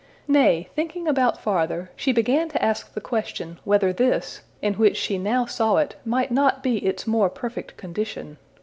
Nay, thinking about farther, she began to ask the question whether this, in which she now saw it, might not be its more perfect condition.